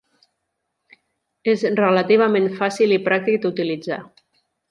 És relativament fàcil i pràctic d'utilitzar.